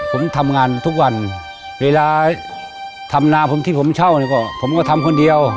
ผมทำงานทุกวันเวลาทำนาผมที่ผมเช่าเนี่ยก็ผมก็ทำคนเดียว